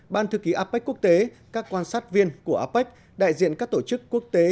ban thư ký apec quốc tế các quan sát viên của apec đại diện các tổ chức quốc tế